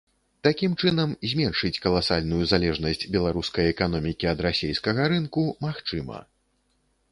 Такім чынам, зменшыць каласальную залежнасць беларускай эканомікі ад расейскага рынку магчыма.